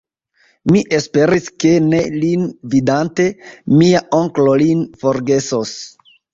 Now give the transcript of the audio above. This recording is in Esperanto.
Mi esperis, ke, ne lin vidante, mia onklo lin forgesos.